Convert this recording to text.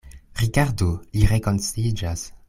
Rigardu: li rekonsciiĝas.